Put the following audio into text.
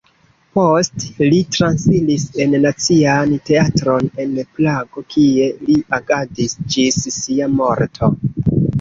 Poste li transiris en Nacian Teatron en Prago, kie li agadis ĝis sia morto.